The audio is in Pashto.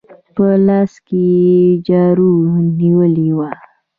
په لاس کې يې جارو نيولې وه.